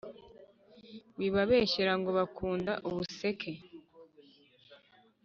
wibabeshyera ngo bakunda ubuseke.